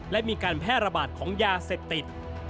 และมีการแพร่ระบาดของยาเสพติด